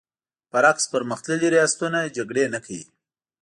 برعکس پر مختللي ریاستونه جګړې نه کوي.